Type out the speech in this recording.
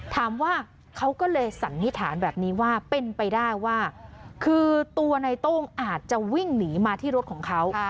ถามว่าเขาก็เลยสันนิษฐานแบบนี้ว่าเป็นไปได้ว่าคือตัวในโต้งอาจจะวิ่งหนีมาที่รถของเขา